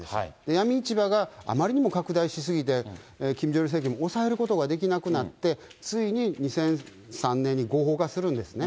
闇市場があまりにも拡大し過ぎて、キム・ジョンイル政権も抑えることができなくなって、ついに２００３年に合法化するんですね。